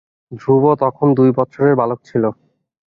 ধ্রুব তখন দুই বৎসরের বালক ছিল।